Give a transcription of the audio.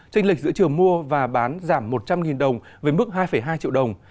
trên lịch giữa chiều mua và bán giảm một trăm linh đồng với mức hai hai triệu đồng